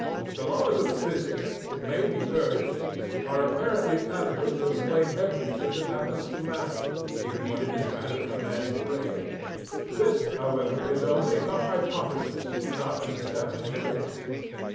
The laws of physics, it may be urged, are apparently adequate to explain everything that happens to matter, even when it is matter in a man's brain. This, however, is only a hypothesis, not an established theory.